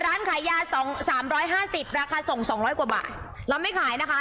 ร้านขายยา๓๕๐ราคาส่ง๒๐๐กว่าบาทเราไม่ขายนะคะ